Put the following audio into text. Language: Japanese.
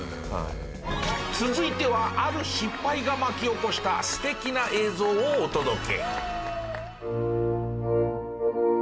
続いてはある失敗が巻き起こした素敵な映像をお届け。